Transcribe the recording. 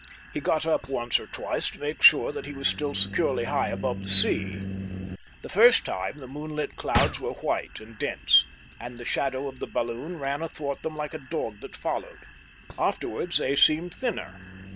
He got up once or twice to make sure that he was still securely high above the sea. The first time the moonlit clouds were white and dense, and the shadow of the balloon ran athwart them like a dog that followed; afterwards they seemed thinner.